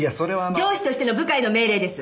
上司としての部下への命令です！